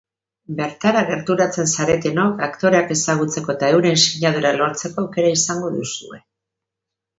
Bertara gerturatzen zaretenok aktoreak ezagutzeko eta euren sinadurak lortzeko aukera izango duzue.